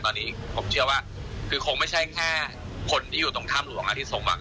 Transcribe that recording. ตอนนี้ผมเชื่อว่าคือคงไม่ใช่แค่คนที่อยู่ตรงถ้ำหลวงที่ทรงหวัง